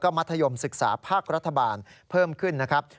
มัธยมศึกษาภาครัฐบาลเพิ่มขึ้นนะครับ